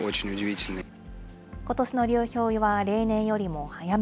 ことしの流氷入りは例年よりも早め。